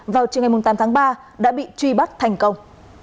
vào chiều ngày tám tháng ba đã bị truy bắt thành công